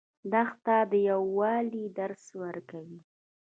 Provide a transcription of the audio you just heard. دښته د یووالي درس ورکوي.